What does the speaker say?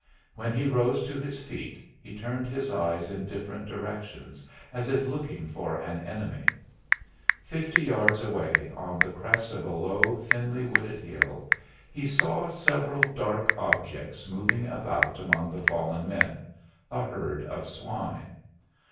When he rose to his feet, he turned his eyes in different directions as if looking for an enemy. Fifty yards away, on the crest of a low, thinly wooded hill, he saw several dark objects moving about among the fallen men a herd of swine.